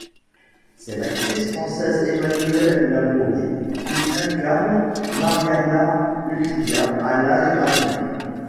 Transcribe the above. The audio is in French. C'est l'actrice française Emmanuelle Laborit qui incarne Marianna Ucrìa à l'âge adulte.